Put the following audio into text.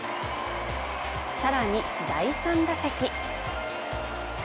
さらに第３打席。